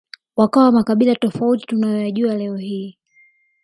wakawa makabila tofauti tunayoyajua leo hii